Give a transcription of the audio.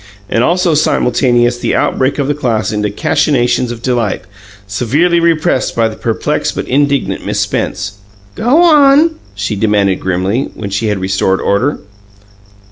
And also simultaneous the outbreak of the class into cachinnations of delight, severely repressed by the perplexed but indignant Miss Spence. "Go on!" she commanded grimly, when she had restored order.